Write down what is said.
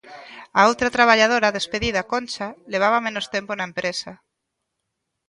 A outra traballadora despedida, Concha, levaba menos tempo na empresa.